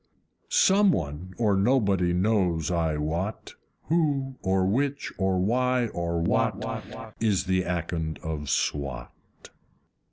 Some one, or nobody, knows I wot Who or which or why or what Is the Akond of Swat!